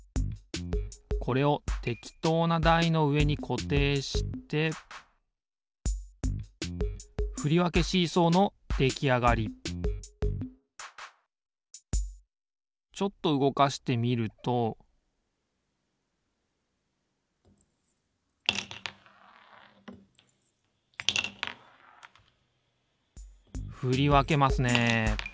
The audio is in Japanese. これをてきとうなだいのうえにこていしてできあがりちょっとうごかしてみるとふりわけますね。